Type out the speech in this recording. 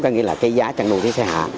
có nghĩa là cái giá chăn nuôi thì sẽ hạ